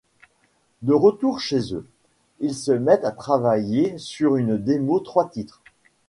De retour chez eux, ils se mettent à travailler sur une démo trois titres.